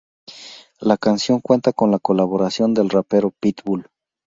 La canción cuenta con la colaboración del rapero Pitbull.